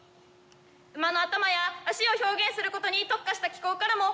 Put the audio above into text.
馬の頭や足を表現することに特化した機構からも目が離せません。